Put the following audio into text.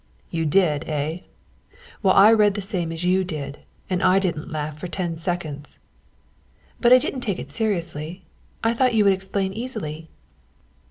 "You did, eh! Well, I read the same as you did, and I didn't laugh for ten seconds." "But I didn't take it seriously. I thought you would explain easily."